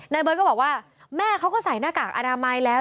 เบิร์ตก็บอกว่าแม่เขาก็ใส่หน้ากากอนามัยแล้ว